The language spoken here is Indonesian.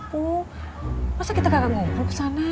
tumpu masa kita gak ngumpul kesana